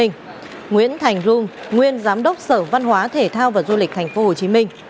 nguyễn thành rung nguyên giám đốc sở văn hóa thể thao và du lịch tp hcm